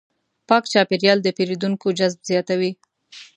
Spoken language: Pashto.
پاک چاپېریال د پیرودونکو جذب زیاتوي.